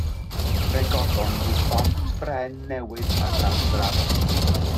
Fe godon nhw bont bren newydd ar draws yr afon.